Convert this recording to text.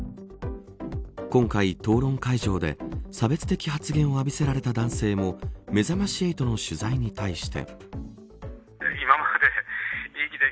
今回、討論会場で差別的発言を浴びせられた男性もめざまし８の取材に対して。